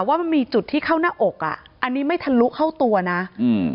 ว่ามันมีจุดที่เข้าหน้าอกอ่ะอันนี้ไม่ทะลุเข้าตัวนะอืม